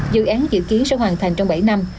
dự án dự kiến sẽ hoàn thành trong bảy năm